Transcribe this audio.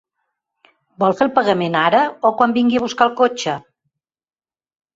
Vol fer el pagament ara, o quan vingui a buscar el cotxe?